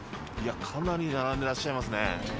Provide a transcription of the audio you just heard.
かなり並んでらっしゃいますね。